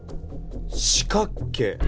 四角形？